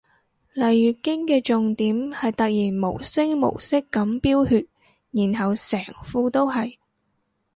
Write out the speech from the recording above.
嚟月經嘅重點係突然無聲無息噉飆血然後成褲都係